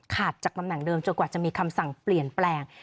จากตำแหน่งเดิมจนกว่าจะมีคำสั่งเปลี่ยนแปลง